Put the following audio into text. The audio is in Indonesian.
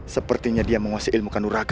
sepertinya dia menguasai ilmu kandur ragan